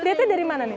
lihatnya dari mana nih